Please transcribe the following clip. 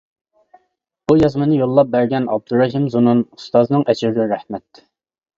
بۇ يازمىنى يوللاپ بەرگەن ئابدۇرېھىم زۇنۇن ئۇستازنىڭ ئەجرىگە رەھمەت!